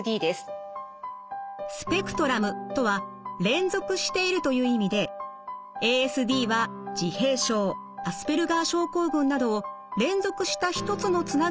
スペクトラムとは連続しているという意味でＡＳＤは自閉症アスペルガー症候群などを連続した一つのつながりとして捉えます。